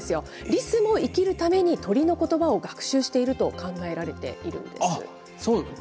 リスも生きるために、鳥のことばを学習していると考えられているあっ、そうなんだ。